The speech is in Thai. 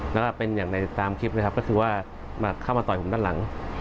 แล้วก็เป็นอย่างในตามคลิปเลยครับก็คือว่าเข้ามาต่อยผมด้านหลัง